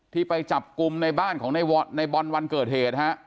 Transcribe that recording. ที่ไปจับกุมในบ้านของในวัดในบอลวันเกิดเหตุฮะ